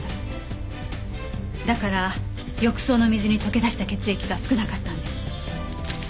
だから浴槽の水に溶け出した血液が少なかったんです。